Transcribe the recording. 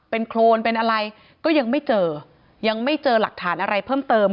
เป็นโครนเป็นอะไรก็ยังไม่เจอยังไม่เจอหลักฐานอะไรเพิ่มเติม